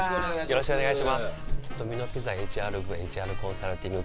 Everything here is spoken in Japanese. よろしくお願いします